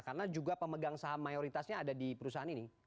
karena juga pemegang saham mayoritasnya ada di perusahaan ini